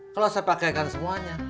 kalau saya pakaikan semuanya